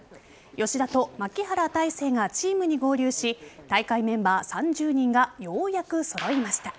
吉田と牧原大成がチームに合流し大会メンバー３０人がようやく揃いました。